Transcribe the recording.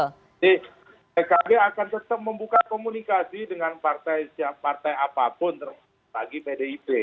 jadi tkb akan tetap membuka komunikasi dengan partai apapun terbagi pdip